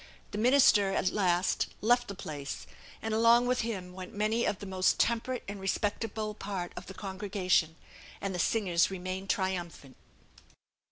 The minister, at last, left the place, and along with him went many of the most temperate and respectable part of the congregation, and the singers remained triumphant.